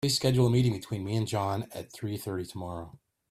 Please schedule a meeting between me and John at three thirty tomorrow.